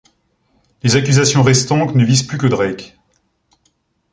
Les accusations restantes ne visent plus que Drake.